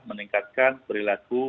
meningkatkan perilaku penyakit